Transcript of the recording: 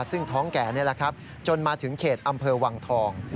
ซึ่งท้องแก่นี่แหละครับจนมาถึงเขตอำเภอวังทอง